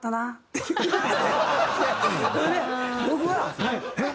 それで僕はえっ！